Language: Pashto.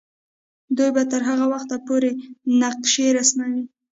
دوی به تر هغه وخته پورې نقشې رسموي.